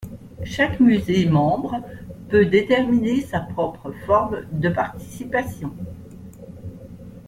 Chaque musée membre peut déterminer sa propre forme de participation.